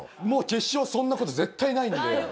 もう決勝そんな事絶対ないんで。